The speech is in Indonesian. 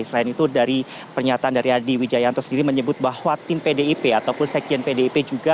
selain itu dari pernyataan dari adi wijayanto sendiri menyebut bahwa tim pdip ataupun sekjen pdip juga